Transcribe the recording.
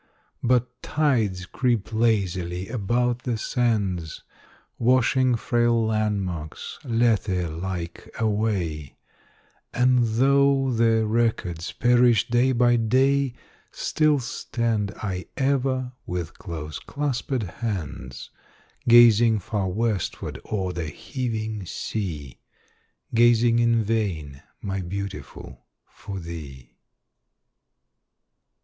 But tides creep lazily about the sands, Washing frail landmarks, Lethe like, away, And though their records perish day by day, Still stand I ever, with close claspèd hands, Gazing far westward o'er the heaving sea, Gazing in vain, my Beautiful, for thee.